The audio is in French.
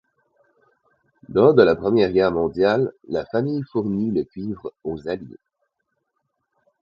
Lors de la Première Guerre mondiale, la famille fournit le cuivre aux Alliés.